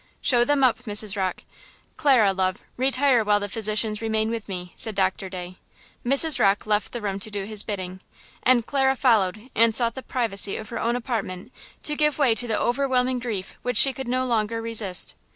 "Show them up, Mrs. Rocke. Clara, love, retire while the physicians remain with me," said Doctor Day. Mrs. Rocke left the room to do his bidding. And Clara followed and sought the privacy of her own apartment to give way to the overwhelming grief which she could no longer resist.